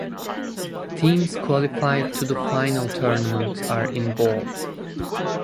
Teams qualified to the final tournament are in bold.